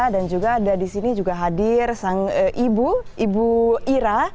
dan juga ada di sini juga hadir sang ibu ibu ira